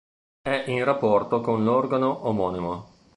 È in rapporto con l'organo omonimo.